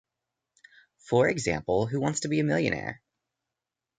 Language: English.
For example, Who Wants to Be a Millionaire?